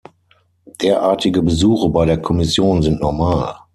Derartige Besuche bei der Kommission sind normal.